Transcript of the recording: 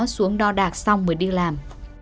xuống đo đạc xong mới đi làm